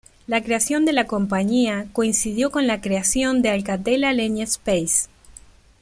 La creación de la compañía coincidió con la creación de Alcatel Alenia Space.